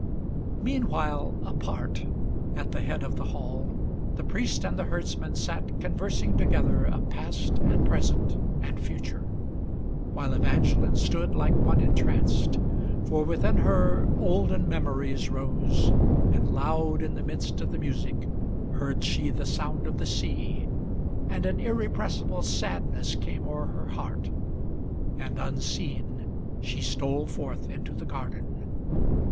Meanwhile, apart, at the head of the hall, the priest and the herdsman Sat, conversing together of past and present and future; While Evangeline stood like one entranced, for within her Olden memories rose, and loud in the midst of the music Heard she the sound of the sea, and an irrepressible sadness Came o'er her heart, and unseen she stole forth into the garden.